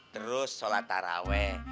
terus sholat taraweh